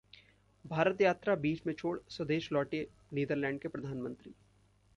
भारत यात्रा बीच में छोड़ स्वदेश लौटे नीदरलैंड के प्रधानमंत्री